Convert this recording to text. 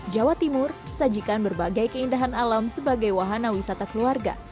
jawa timur sajikan berbagai keindahan alam sebagai wahana wisata keluarga